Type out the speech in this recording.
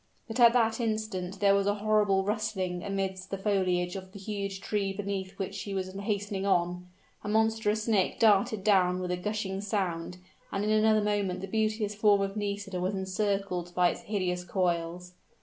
But at that instant there was a horrible rustling amidst the foliage of the huge tree beneath which she was hastening on; a monstrous snake darted down with a gushing sound, and in another moment the beauteous form of Nisida was encircled by its hideous coils.